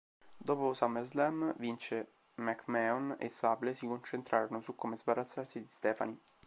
Dopo SummerSlam, Vince McMahon e Sable si concentrarono su come sbarazzarsi di Stephanie.